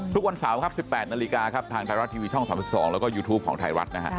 ทุกวันเสาร์๑๘นทางไทยรัฐทีวีช่อง๓๒แล้วก็ยูทูปของไทยรัฐ